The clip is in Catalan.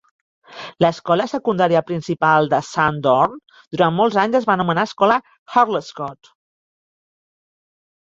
L'escola secundària principal de Sundorne durant molts anys es var anomenar escola "Harlescott".